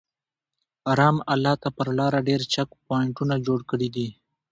رام الله ته پر لاره ډېر چک پواینټونه جوړ کړي دي.